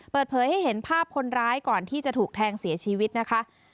เปิดเผยให้เห็นภาพคนร้ายก่อนที่จะถูกแทงเสียชีวิตนะคะ